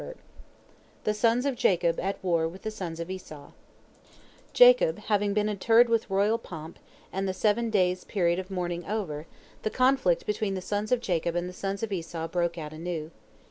" THE SONS OF JACOB AT WAR WITH THE SONS OF ESAU Jacob having been interred with royal pomp, and the seven days' period of mourning over, the conflict between the sons of Jacob and the sons of Esau broke out anew.